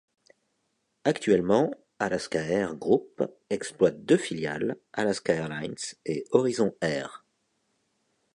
Actuellement, Alaska Air Group exploite deux filiales, Alaska Airlines et Horizon Air.